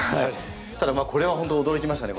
ただこれは本当驚きましたね。